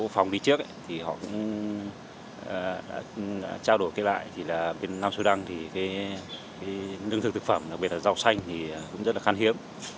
các phòng đi trước thì họ cũng trao đổi kết lại là nam sudan thì nương thực thực phẩm đặc biệt là rau xanh thì cũng rất là khăn hiếm